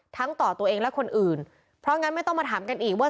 ต่อตัวเองและคนอื่นเพราะงั้นไม่ต้องมาถามกันอีกว่า